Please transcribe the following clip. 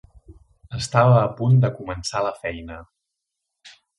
Estava a punt de començar la feina.